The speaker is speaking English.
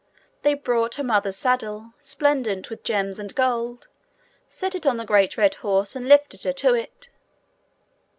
They brought her mother's saddle, splendent with gems and gold, set it on the great red horse, and lifted her to it.